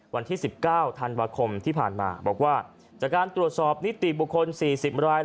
วันที่๑๙ธันวาคมที่ผ่านมาบอกว่าจากการตรวจสอบนิติบุคคล๔๐ราย